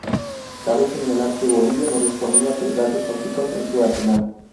Cabe señalar que Bolivia no disponía de gases tóxicos en su arsenal.